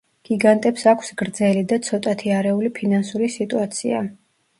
გიგანტებს აქვს გრძელი და ცოტათი არეული ფინანსური სიტუაცია.